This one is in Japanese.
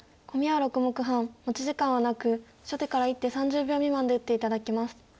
コミは６目半持ち時間はなく初手から１手３０秒未満で打って頂きます。